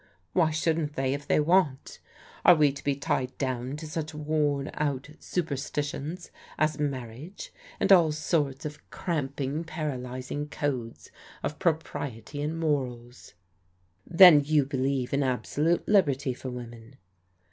Why shouldn't they, if they want ? Are we to be tied down to such worn out superstitions as marriage, and all sorts of cramping, paralyzing codes of propriety and morals ?"" Then you believe in absolute liberty for women?